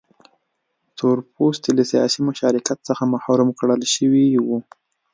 تور پوستي له سیاسي مشارکت څخه محروم کړل شوي وو.